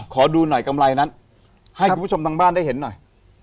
ขอดูหน่อยกำไรนั้นให้คุณผู้ชมทางบ้านได้เห็นหน่อย